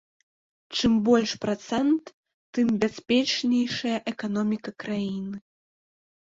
Чым большы працэнт, тым бяспечнейшая эканоміка краіны.